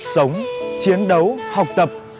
sống chiến đấu học tập